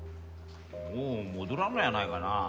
もう戻らんのやないかな。